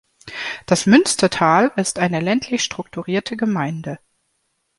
Das Münstertal ist eine ländlich strukturierte Gemeinde.